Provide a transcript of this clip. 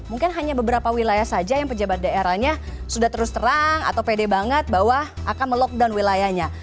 mungkin hanya beberapa wilayah saja yang pejabat daerahnya sudah terus terang atau pede banget bahwa akan melockdown wilayahnya